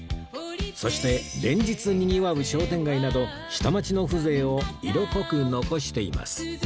そして連日にぎわう商店街など下町の風情を色濃く残しています